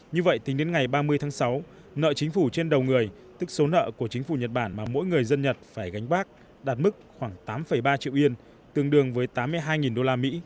như vậy tính đến ngày ba mươi tháng sáu nợ chính phủ trên đầu người tức số nợ của chính phủ nhật bản mà mỗi người dân nhật phải gánh bác đạt mức khoảng tám ba triệu yên tương đương với tám mươi hai usd